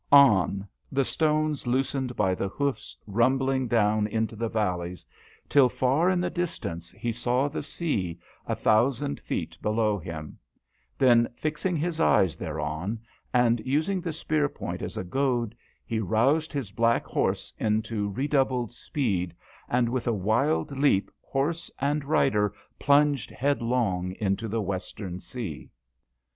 On DHOYA. 195 the stones loosened by the hoofs rumbling down into the valleys till far in the distance he saw the sea, a thousand feet below him ; then, fixing his eyes thereon, and using the spear point as a goad, he roused his black horse into redoubled speed, and with a wild leap horse and rider plunged headlong into the Western Sea.